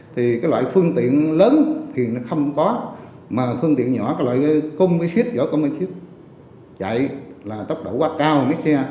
thì cái loại phương tiện lớn thì nó không có mà phương tiện nhỏ cái loại công bí xít giỏi công bí xít chạy là tốc độ quá cao mấy xe